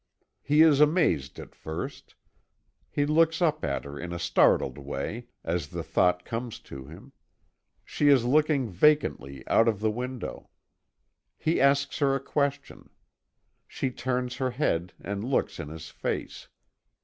He is amazed at first. He looks up at her in a startled way, as the thought comes to him. She is looking vacantly out of the window. He asks her a question. She turns her head and looks in his face.